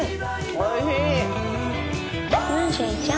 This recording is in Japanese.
おいしい。